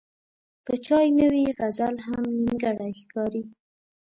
که چای نه وي، غزل هم نیمګړی ښکاري.